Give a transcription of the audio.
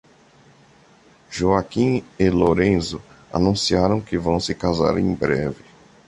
Joaquim e Lorenzo anunciaram que vão se casar em breve